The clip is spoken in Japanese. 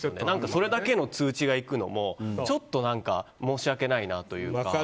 それだけで通知が行くのもちょっと何か申し訳ないなというか。